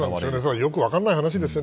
よく分からない話ですよね。